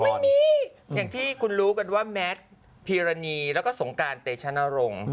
ไม่มีอย่างที่คุณรู้กันว่าแมทพีรณีแล้วก็สงการเตชนรงค์